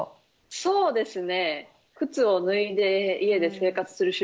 そうですね。